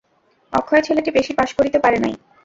অক্ষয় ছেলেটি বেশি পাস করিতে পারে নাই।